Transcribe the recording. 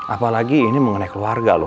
apalagi ini mengenai keluarga loh